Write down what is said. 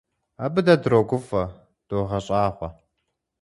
Абы дэ дрогуфӀэ, догъэщӀагъуэ.